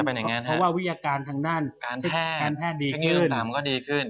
เพราะว่าวิยาการทางด้านแพทย์แพทย์ดีขึ้น